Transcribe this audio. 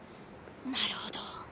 なるほど。